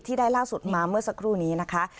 ได้ล่าสุดมาเมื่อสักครู่นี้นะคะ